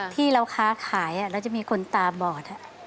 ที่เราค้าขายแล้วจะมีคนตาบอด